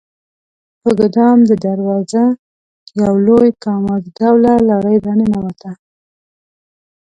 په ګدام د دروازه یو لوی کاماز ډوله لارۍ راننوته.